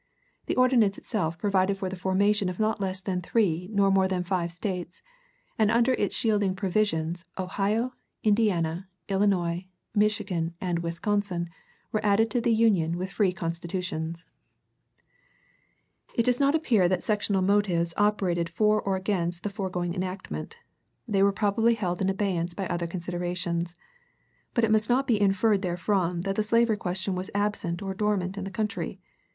The ordinance itself provided for the formation of not less than three nor more than five States, and under its shielding provisions Ohio, Indiana, Illinois, Michigan, and Wisconsin were added to the Union with free constitutions. [Sidenote: "Ellior's Debates," Vol. V., p. 395.] [Sidenote: Ibid., p. 392.] It does not appear that sectional motives operated for or against the foregoing enactment; they were probably held in abeyance by other considerations. But it must not be inferred therefrom that the slavery question was absent or dormant in the country.